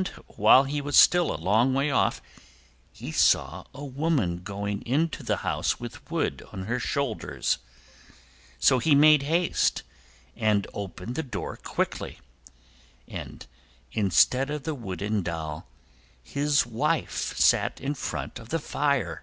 And while he was still a long way off he saw a woman going into the house with wood on her shoulders. So he made haste and opened the door quickly, and instead of the wooden doll his wife sat in front of the fire.